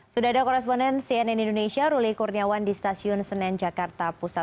sudah ada koresponen cnn indonesia ruli kurniawan di stasiun senen jakarta pusat